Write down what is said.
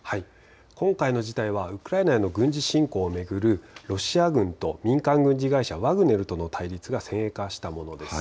今回の事態はウクライナへの軍事侵攻を巡るロシア軍と民間軍事会社、ワグネルとの対立が先鋭化したものです。